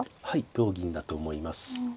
同銀だと思います。